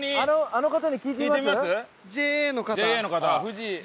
あの方に聞いてみます？